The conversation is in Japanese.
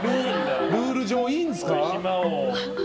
ルール上いいんですか。